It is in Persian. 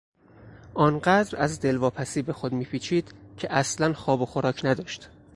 آنقدر از دلواپسی به خود میپیچید که اصلا خواب و خوراک نداشت.